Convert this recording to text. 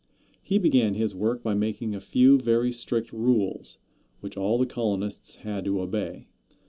He began his work by making a few very strict rules, which all the colonists had to obey.